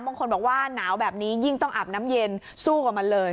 บางคนบอกว่าหนาวแบบนี้ยิ่งต้องอาบน้ำเย็นสู้กับมันเลย